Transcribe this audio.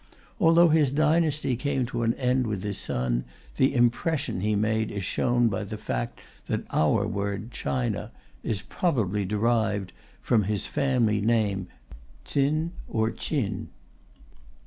Although his dynasty came to an end with his son, the impression he made is shown by the fact that our word "China" is probably derived from his family name, Tsin or Chin.